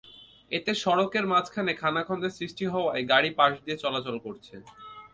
এতে সড়কের মাঝখানে খানাখন্দের সৃষ্টি হওয়ায় গাড়ি পাশ দিয়ে চলাচল করছে।